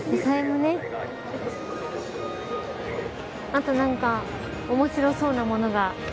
あと何か面白そうなものが。